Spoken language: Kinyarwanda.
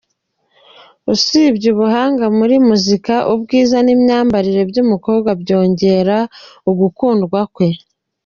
Usibye ubuhanga muri muzika, ubwiza n’imyambarire by’umukobwa byongera ugukundwa kwe.